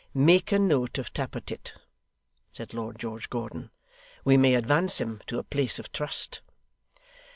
'Make a note of Tappertit,' said Lord George Gordon. 'We may advance him to a place of trust.